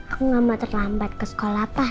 aku gak mau terlambat ke sekolah pak